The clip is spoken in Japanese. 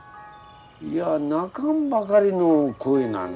いや泣かんばかりの声なんだ。